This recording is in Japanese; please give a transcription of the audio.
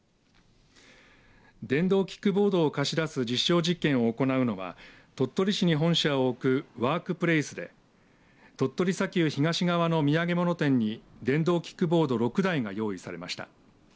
電動キックボードを貸し出す実証実験を行うのは鳥取市に本社を置くＷｏｒｋｐｌａｙｓで鳥取砂丘東側の土産物店に電動キックボード６台が用意されました。